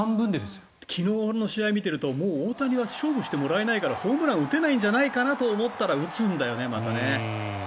昨日の試合を見ていると大谷は勝負してもらえないからホームランを打てないんじゃないかなと思ったらまた打つんだよね。